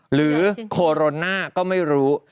หรือโคโรนาก็ไม่รู้